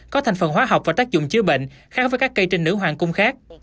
có thành phần hóa học và tác dụng chứa bệnh khác với các cây trinh nữ hoàng cung khác